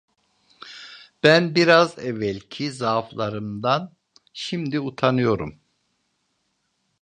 Ben biraz evvelki zaaflarımdan şimdi utanıyorum.